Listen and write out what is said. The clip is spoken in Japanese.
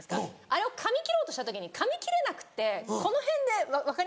あれをかみ切ろうとした時にかみ切れなくてこの辺で分かります？